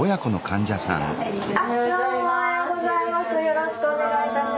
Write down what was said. よろしくお願いします。